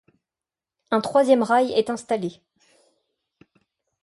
Un troisième rail est installé.